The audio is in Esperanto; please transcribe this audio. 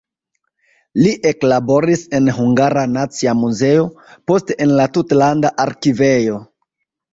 Li eklaboris en Hungara Nacia Muzeo, poste en la tutlanda arkivejo.